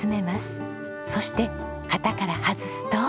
そして型から外すと。